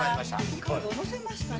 「カードを載せましたね。